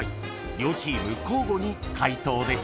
［両チーム交互に解答です］